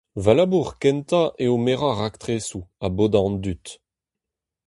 Va labour kentañ eo merañ raktresoù ha bodañ an dud.